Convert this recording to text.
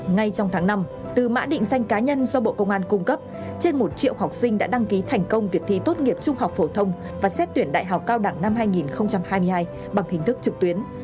ngay trong tháng năm từ mã định danh cá nhân do bộ công an cung cấp trên một triệu học sinh đã đăng ký thành công việc thi tốt nghiệp trung học phổ thông và xét tuyển đại học cao đẳng năm hai nghìn hai mươi hai bằng hình thức trực tuyến